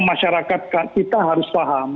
masyarakat kita harus paham